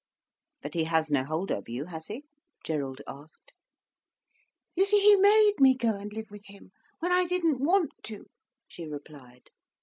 "But he has no hold over you, has he?" Gerald asked. "You see he made me go and live with him, when I didn't want to," she replied.